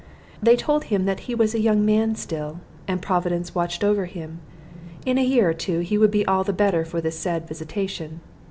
They told him that he was a young man still, and Providence watched over him; in a year or two he would be all the better for this sad visitation.